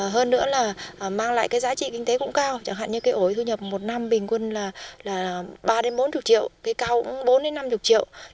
hơn nữa là mang lại cái giá trị kinh tế cũng cao chẳng hạn như cây ổi thu nhập một năm bình quân là ba bốn mươi triệu cây cao cũng bốn đến năm mươi triệu